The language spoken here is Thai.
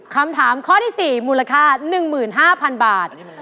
คำถามข้อที่๔มูลค่า๑๕๐๐๐บาท